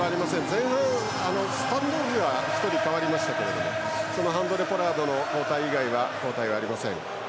前半スタンドオフが１人代わりましたけどもハンドレ・ポラード以外は交代がありません。